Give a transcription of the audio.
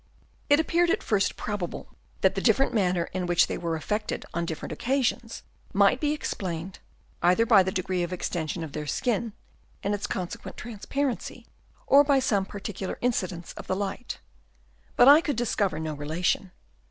It appeared at first probable that the dif ferent manner in which they were affected on Chap. I. THEIR SENSES. 23 different occasions might be explained, either by the degree of extension of their skin and its consequent transparency, or by some particular incidence of the light ; but I could discover no such relation.